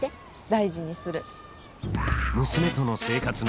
大事にする。